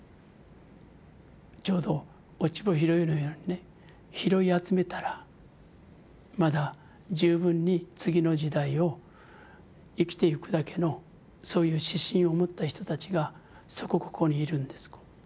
ちょうど落ち穂拾いのようにね拾い集めたらまだ十分に次の時代を生きていくだけのそういう指針を持った人たちがそこここにいるんです。